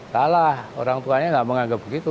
salah orang tuanya nggak menganggap begitu